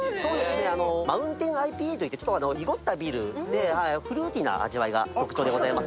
マウンテンＩＰといって、ちょっと濁ったビールでフルーティーな味わいが魅力です。